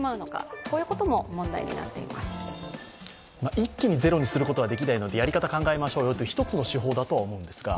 一気にゼロにすることはできないのでやり方考えましょうよという一つの手法だとは思うんですが。